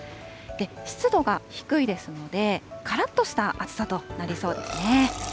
湿度が低いですので、からっとした暑さとなりそうですね。